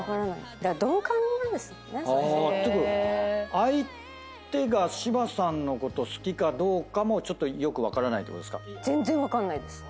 相手が柴さんのこと好きかどうかもちょっとよく分からないってことですか？